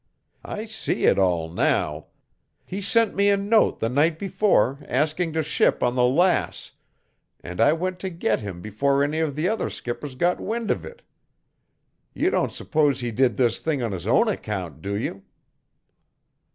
I see it all now. He sent me a note the night before asking to ship on the Lass, and I went to get him before any of the other skippers got wind of it. You don't suppose he did this thing on his own account, do you?"